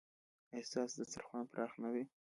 ایا ستاسو دسترخوان پراخ نه دی؟